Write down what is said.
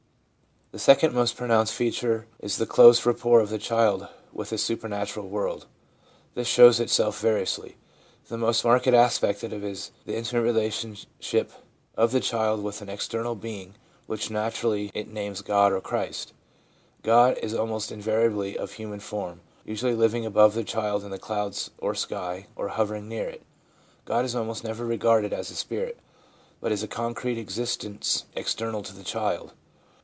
The second most pronounced feature is the close rapport of the child with a supernatural world. This shows itself variously ; the most marked aspect of it is the intimate relationship of the child with an external being which naturally it names ' God ' or ' Christ.' God is almost invariably of human form, usually living above the child in the clouds or sky, or hovering near it. God is almost never regarded as a spirit, but is a concrete existence external to the child.